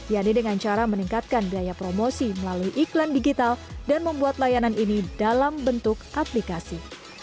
yaitu dengan cara meningkatkan biaya promosi melalui iklan digital dan membuat layanan ini dalam bentuk aplikasi